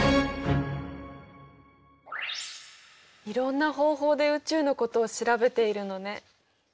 いろんな方法で宇宙のことを調べているのね。